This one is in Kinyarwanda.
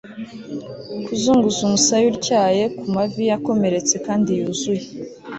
Kuzunguza umusaya utyaye ku mavi yakomeretse kandi yuzuye